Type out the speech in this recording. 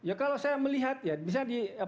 ya kalau saya melihat ya